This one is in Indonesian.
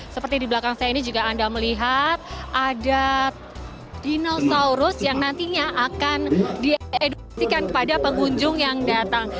seperti di belakang saya ini juga anda melihat ada dinosaurus yang nantinya akan dieduksikan kepada pengunjung yang datang